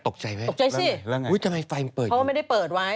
ตกใจไหมตกใจสิแล้วไงอุ้ยทำไมไฟมันเปิดเพราะว่าไม่ได้เปิดไว้